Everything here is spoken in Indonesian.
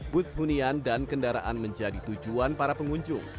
bus hunian dan kendaraan menjadi tujuan para pengunjung